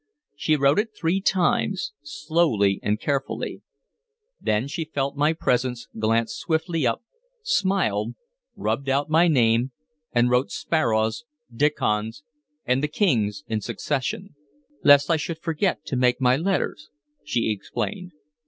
She wrote it three times, slowly and carefully; then she felt my presence, glanced swiftly up, smiled, rubbed out my name, and wrote Sparrow's, Diccon's, and the King's in succession. "Lest I should forget to make my letters," she explained.